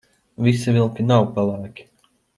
Visi vilki nav pelēki.